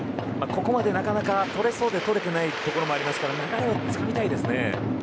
ここまでなかなか取れそうで取れてないところもあるので流れをつかみたいですね。